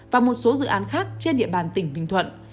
và một số dự án khác trên địa bàn tỉnh bình thuận